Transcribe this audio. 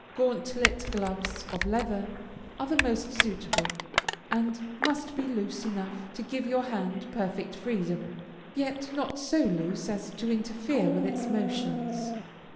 Gauntlet gloves, of leather, are the most suitable, and must be loose enough to give your hand perfect freedom, yet not so loose as to interfere with its motions.